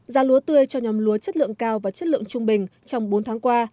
giá lúa tươi cho nhóm lúa chất lượng cao và chất lượng trung bình trong bốn tháng qua